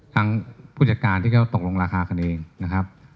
ผู้จัดการที่เขาตกลงราคากันเองนะครับ